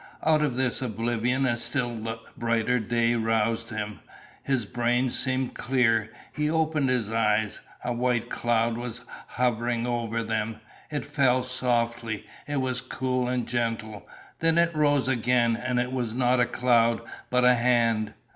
Out of this oblivion a still brighter day roused him. His brain seemed clear. He opened his eyes. A white cloud was hovering over them; it fell softly; it was cool and gentle. Then it rose again, and it was not a cloud, but a hand!